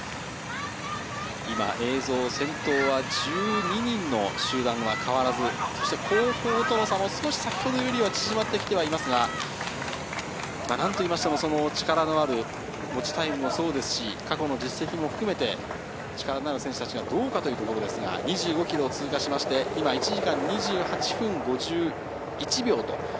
今、映像先頭は１２人の集団は変わらず、後方との差も少し先ほどよりは縮まってきていますが、何といいましても力のある、持ちタイムもそうですし過去の実績も含めて力のある選手たちがどうかというところですが、２５ｋｍを通過して今１時間２８分５１秒。